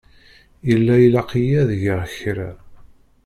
Yella ilaq-iyi ad geɣ kra.